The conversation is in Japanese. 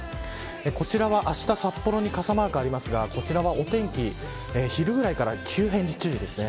こちらは、あした札幌に傘マークありますがお天気、昼ぐらいから急変に注意ですね。